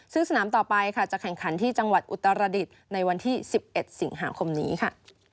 ซึ่งสนามต่อไปค่ะจะแข่งขันที่จังหวัดอุตรดิษฐ์ในวันที่๑๑สิงหาคมนี้ค่ะ